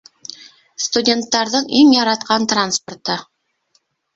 Студенттарҙың иң яратҡан транспорты!